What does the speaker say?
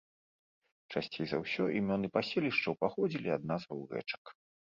Часцей за ўсё імёны паселішчаў паходзілі ад назваў рэчак.